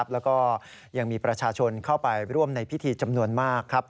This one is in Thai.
แล้วก็ยังมีประชาชนเข้าไปร่วมในพิธีจำนวนมาก